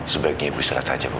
sebaiknya ibu istirahat aja bu